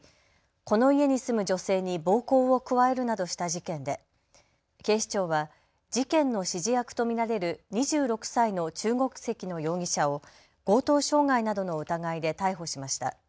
この家に住む女性に暴行を加えるなどした事件で警視庁は事件の指示役と見られる２６歳の中国籍の容疑者を強盗傷害などの疑いで逮捕しました。